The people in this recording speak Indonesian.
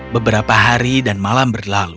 beberapa hari dan malam berlalu